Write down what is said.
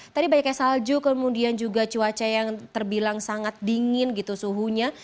tadi banyaknya salju kemudian juga cuaca yang terbilang sangat dingin gitu suhunya